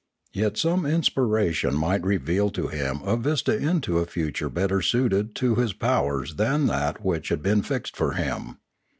Yet some inspiration might reveal to him a vista into a future better suited to his powers than that which had been fixed for him.